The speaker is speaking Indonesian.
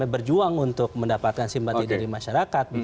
berjuang untuk mendapatkan simpati dari masyarakat